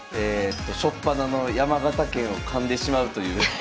初っぱなの「山形県」をかんでしまうという。